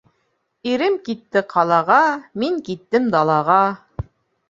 Ирем китте ҡалаға, мин киттем далаға.